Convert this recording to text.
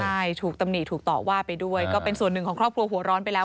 ใช่ถูกตำหนิถูกต่อว่าไปด้วยก็เป็นส่วนหนึ่งของครอบครัวหัวร้อนไปแล้ว